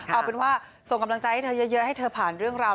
เอาเป็นว่าส่งกำลังใจให้เธอเยอะให้เธอผ่านเรื่องราว